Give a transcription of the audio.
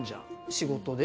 仕事で？